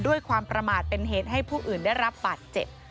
ด้วยความประมาทเป็นเหตุให้ผู้อื่นได้รับบาดเจ็บ